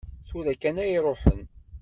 Tura kan ay ruḥen.